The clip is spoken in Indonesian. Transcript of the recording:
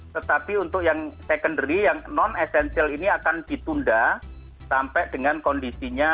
tetapi untuk yang secondary yang non essential ini akan ditunda sampai dengan kondisinya